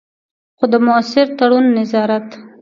خو د مؤثر تړون، نظارت.